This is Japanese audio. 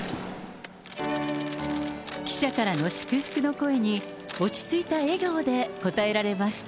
記者からの祝福の声に、落ち着いた笑顔で応えられました。